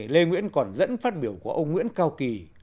lê nguyễn còn dẫn phát biểu của ông nguyễn cao kỳ